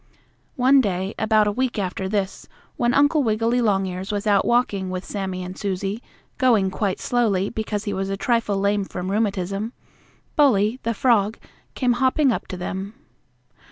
One day, about a week after this, when Uncle Wiggily Longears was out walking with Sammie and Susie, going quite slowly, because he was a trifle lame from rheumatism, Bully, the frog, came hopping up to them.